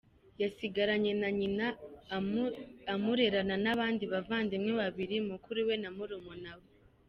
Yasigaranye na nyina, amurerana n’abandi bavandimwe babiri; mukuru we na murumuna we.